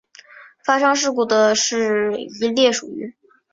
发生事故的是一列属于。